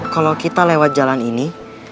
kalau kita lewat jalan ini